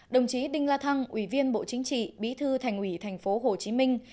đồng chí đinh la thăng ủy viên bộ chính trị bí thư thành ủy thành phố hồ chí minh